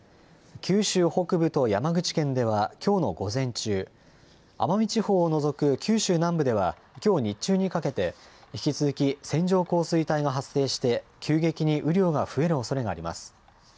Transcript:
九州北部と山口県ではきょうの午前中、奄美地方を除く九州南部ではきょう日中にかけて、引き続き線状降水帯が発生して、急激に雨量が増えるおそれがあります。